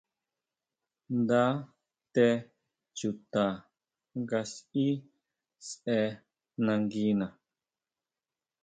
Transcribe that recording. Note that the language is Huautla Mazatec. Nda té chuta nga sʼí sʼe nanguina.